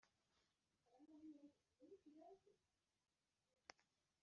kavukire acurwa n’abasizi n’abahanzi,